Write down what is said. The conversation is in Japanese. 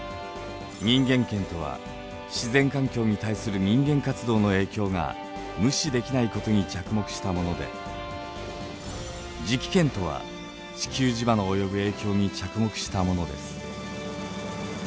人間圏とは自然環境に対する人間活動の影響が無視できないことに着目したもので磁気圏とは地球磁場の及ぶ影響に着目したものです。